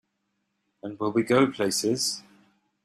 And will we go places!